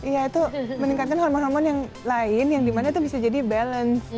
yaitu meningkatkan hormon hormon yang lain yang dimana itu bisa jadi balance